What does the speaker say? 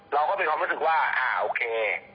เราก็มีความรู้สึกว่าอ่าโอเค